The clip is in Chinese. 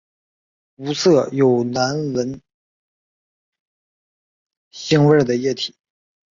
无色有难闻腥味的液体。